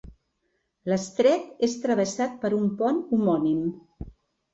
L'estret és travessat per un pont homònim.